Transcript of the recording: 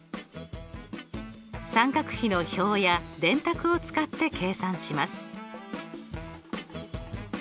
三角比の表や電卓を使って計算します。